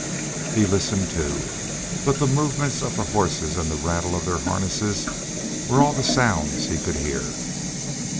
He listened, too, but the movements of the horses and the rattle of their harness were all the sounds he could hear.